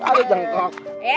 kalau ini jengkok